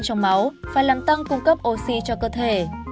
trong máu và làm tăng cung cấp oxy cho cơ thể